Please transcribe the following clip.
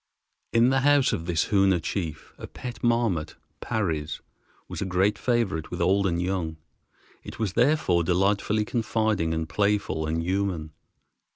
In the house of this Hoona chief a pet marmot (Parry's) was a great favorite with old and young. It was therefore delightfully confiding and playful and human.